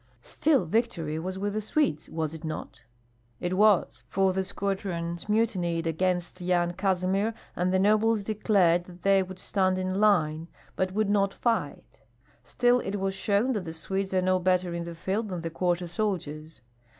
"Still victory was with the Swedes, was it not?" "It was, for the squadrons mutinied against Yan Kazimir, and the nobles declared that they would stand in line, but would not fight. Still it was shown that the Swedes are no better in the field than the quarter soldiers.